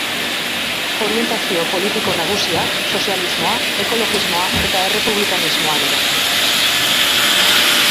Orientazio politiko nagusiak sozialismoa, ekologismoa eta errepublikanismoa dira.